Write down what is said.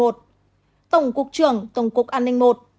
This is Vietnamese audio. phó tổng cục trưởng tổng cục an ninh một